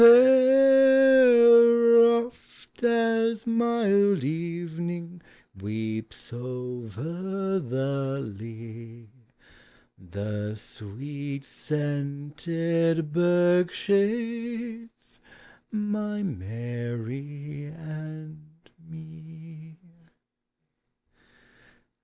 There oft as mild evening weeps over the lea, The sweet scented birk shades my Mary and me.